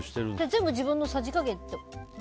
全部自分のさじ加減。